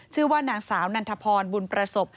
ชื่อว่านางสาวนันทพรบุญประสบ